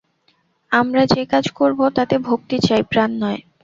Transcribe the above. আমরা যে কাজ করব তাতে ভক্তি চাই, প্রাণ চাই।